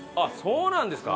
そうなんですか。